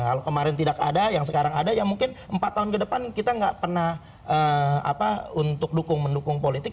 kalau kemarin tidak ada yang sekarang ada ya mungkin empat tahun ke depan kita nggak pernah untuk dukung mendukung politik